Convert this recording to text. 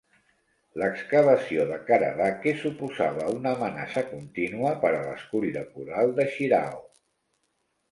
L'excavació de Karadake suposava una amenaça contínua per a l'escull de coral de Shiraho.